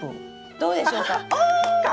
どうでしょうか？